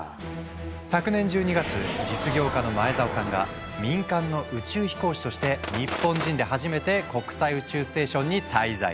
昨年１２月実業家の前澤さんが民間の宇宙飛行士として日本人で初めて国際宇宙ステーションに滞在。